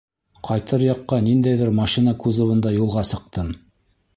Ҡайтыр яҡҡа ниндәйҙер машина кузовында юлға сыҡтым.